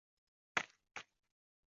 此必然之势。